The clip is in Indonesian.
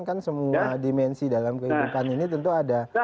kan semua dimensi dalam kehidupan ini tentu ada